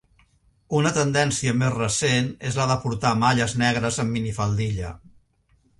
Una tendència més recent és la de portar malles negres amb minifaldilla.